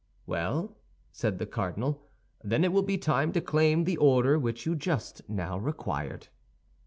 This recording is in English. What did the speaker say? "Well," said the cardinal, "then it will be time to claim the order which you just now required."